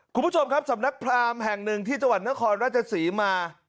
คุณผู้ชมครับสำนักพรามแห่งหนึ่งที่จังหวัดนครราชศรีมา